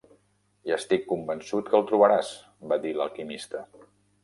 "I estic convençut que el trobaràs", va dir l'Alquimista.